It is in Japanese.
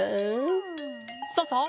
さあさあ